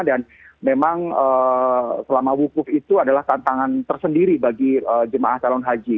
dan memang selama wukuf itu adalah tantangan tersendiri bagi jemaah calon haji